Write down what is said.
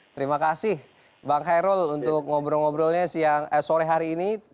terima kasih bang hairul untuk ngobrol ngobrolnya sore hari ini